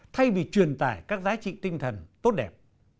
thay vì truyền tải các giá trị tinh thần tốt đẹp